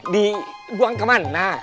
dibuang ke mana